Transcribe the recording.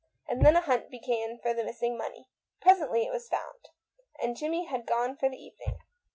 And then a hunt began for the missing money. Presently it was found, and Jimmie had gone for the evening.